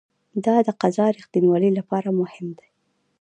دا د فضا د ریښتینولي لپاره مهم دی.